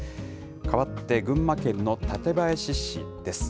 かわって群馬県の館林市です。